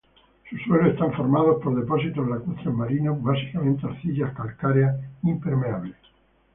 Sus suelos están formados por depósitos lacustres marinos, básicamente arcillas calcáreas impermeables.